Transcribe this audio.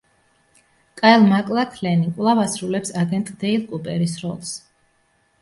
კაილ მაკლაქლენი კვლავ ასრულებს აგენტ დეილ კუპერის როლს.